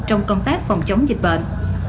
trong công tác phòng chống dịch bệnh